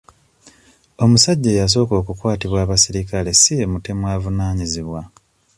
Omusajja eyasooka okukwatibwa abaserikale si ye mutemu avunaanyizibwa.